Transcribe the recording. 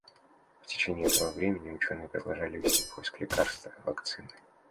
В течение этого времени ученые продолжали вести поиск лекарства, вакцины.